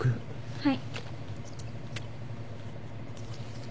はい。